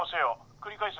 繰り返す。